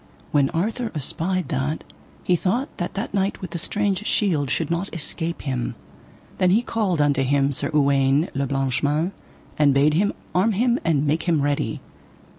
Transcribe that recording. When Arthur espied that, he thought that that knight with the strange shield should not escape him. Then he called unto him Sir Uwaine le Blanche Mains, and bade him arm him and make him ready.